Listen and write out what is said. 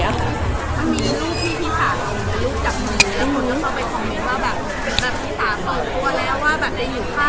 มีลูกพี่พี่สาทำลูกจับมือแล้วคนก็ต้องไปคอมเมนต์ว่าแบบ